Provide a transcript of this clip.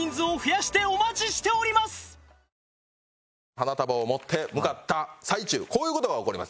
花束を持って向かった最中こういう事が起こります。